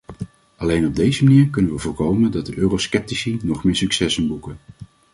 Alleen op deze manier kunnen we voorkomen dat de eurosceptici nog meer successen boeken.